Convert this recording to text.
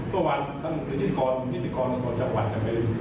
เมื่อวานก็มีพิจารณีกรพิจารณีกรต่อจังหวัด